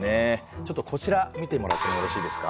ちょっとこちら見てもらってもよろしいですか。